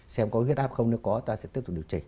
xem có huyết áp không nếu có ta sẽ tiếp tục điều chỉnh